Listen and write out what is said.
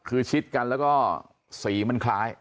คือชิดกันแล้วก็สีมันคล้าย